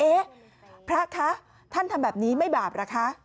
เอ๊ะพระคะท่านทำแบบนี้ไม่บาปเหรอคะ